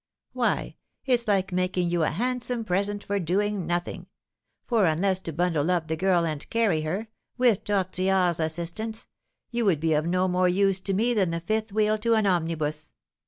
Why, it's like making you a handsome present for doing nothing; for unless to bundle up the girl and carry her, with Tortillard's assistance, you would be of no more use to me than the fifth wheel to an omnibus.